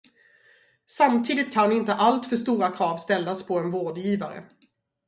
Samtidigt kan inte alltför stora krav ställas på en vårdgivare.